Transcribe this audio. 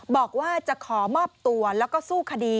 บอกว่าจะขอมอบตัวแล้วก็สู้คดี